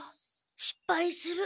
しっぱいする。